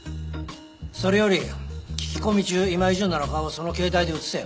それより聞き込み中今井純奈の顔をその携帯で映せよ。